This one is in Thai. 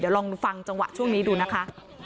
ลองฟังจังหวะช่วงนี้ดูนะคะ